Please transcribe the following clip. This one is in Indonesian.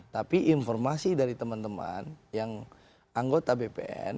tapi informasi dari teman teman yang anggota bpn